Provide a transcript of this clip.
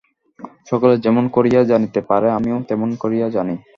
সকলেই যেমন করিয়া জানিতে পারে আমিও তেমনি করিয়া জানি।